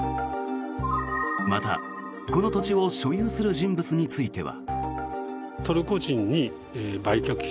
また、この土地を所有する人物については。